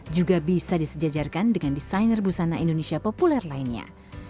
juga bisa disejajarkan dengan desainer busana indonesia populer lainnya